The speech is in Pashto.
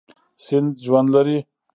سیند ژوند لري.